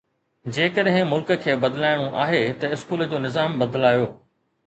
جيڪڏهن ملڪ کي بدلائڻو آهي ته اسڪول جو نظام بدلايو.